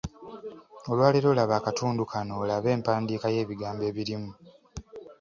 Olwaleero laba akatundu kano olabe empandiika y’ebigambo ebirimu.